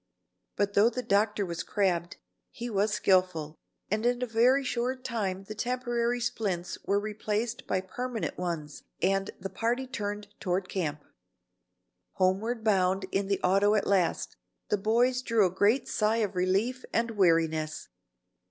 But though the doctor was crabbed, he was skilful, and in a very short time the temporary splints were replaced by permanent ones and the party turned toward camp. Homeward bound in the auto at last, the boys drew a great sigh of relief and weariness.